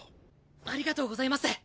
ありがとうございます。